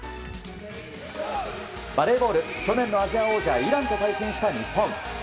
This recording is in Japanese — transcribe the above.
バレーボール、去年のアジア王者イランと対戦した日本。